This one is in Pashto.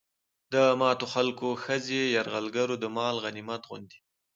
د ماتو خلکو ښځې يرغلګرو د مال غنميت غوندې